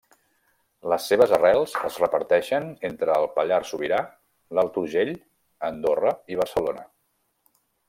Les seves arrels es reparteixen entre el Pallars Sobirà, l'Alt Urgell, Andorra i Barcelona.